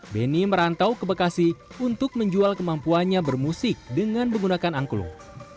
beni merantau ke bekasi untuk menjual kemampuannya bermusik dengan menggunakan angklung